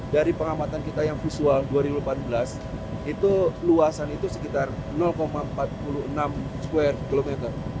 dari pengamatan kita yang visual dua ribu delapan belas itu luasan itu sekitar empat puluh enam square kilometer